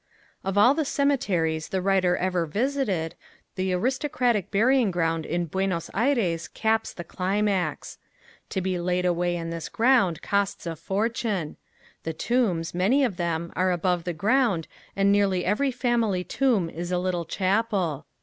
Of all the cemeteries the writer ever visited, the aristocratic burying ground in Buenos Aires caps the climax. To be laid away in this ground costs a fortune. The tombs, many of them, are above the ground and nearly every family tomb is a little chapel.